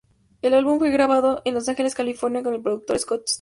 El álbum fue grabado en Los Angeles, California con el productor Scott Storch.